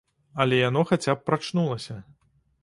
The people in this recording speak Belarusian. Але яно хаця б прачнулася.